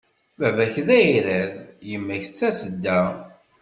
Baba-k d ayrad, yemma-k d tasedda.